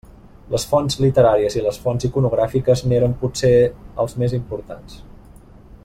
Les fonts literàries i les fonts iconogràfiques n'eren potser els més importants.